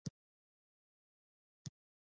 ژوند ته لومړیتوب ورکړو